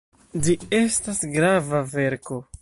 Ĝi estas grava verko.